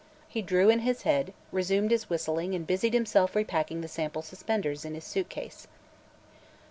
He drew in his head, resumed his whistling and busied himself repacking the sample suspenders in his suitcase.